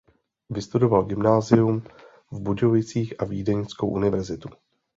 Vystudoval gymnázium v Budějovicích a Vídeňskou univerzitu.